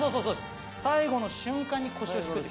最後の瞬間に。